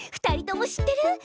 ２人とも知ってる？